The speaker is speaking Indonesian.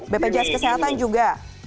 bpjs kesehatan juga